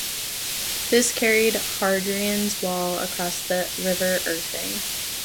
This carried Hadrian's Wall across the River Irthing.